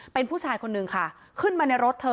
เป็นผู้ชายคนนึงค่ะขึ้นมาในรถเธอ